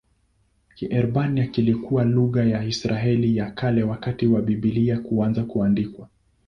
Kiebrania kilikuwa lugha ya Israeli ya Kale wakati wa Biblia kuanza kuandikwa.